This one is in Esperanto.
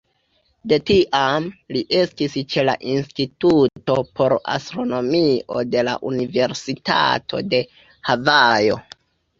De tiam, li estis ĉe la Instituto por Astronomio de la Universitato de Havajo.